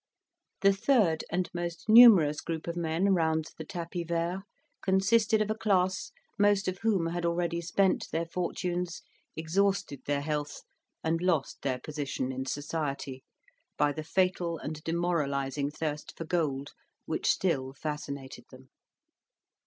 The third and most numerous group of men round the tapis vert consisted of a class most of whom had already spent their fortunes, exhausted their health, and lost their position in society, by the fatal and demoralizing thirst for gold, which still fascinated them.